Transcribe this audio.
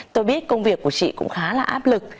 tôi biết công việc của chị cũng khá là áp lực